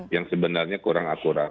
yang sebenarnya kurang akurat